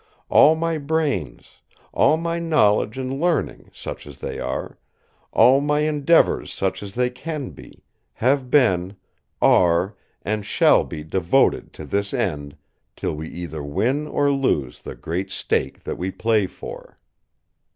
All my brains; all my knowledge and learning, such as they are; all my endeavours such as they can be, have been, are, and shall be devoted to this end, till we either win or lose the great stake that we play for."